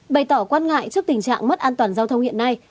bày tỏ quan ngại trước tình trạng mất an toàn giao thông hiện nay